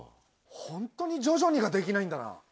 ホントに徐々にができないんだな。